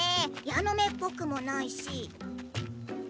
ヤノメっぽくもないし。